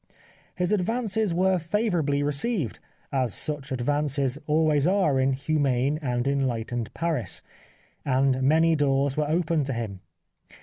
His advances were favourably received — as such advances always are in humane and enlightened Paris — and many doors were opened to him.